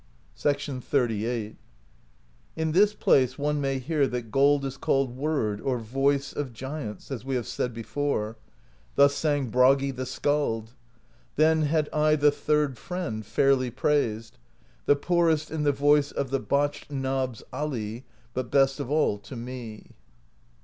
XXXVIII. "In this place one may hear that gold is called Word, or Voice, of Giants, as we have said before; thus sang Bragi the Skald: Then had I the third friend Fairly praised: the poorest In the Voice of the Botched Knob's Ali, But best of all to me.